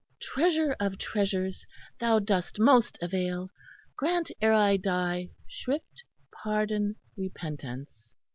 Treasure of treasures, thou dost most avail. Grant ere I die shrift, pardon, repentance."